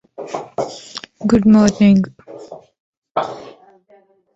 Liz Cho attended Boston University, majoring in journalism and history.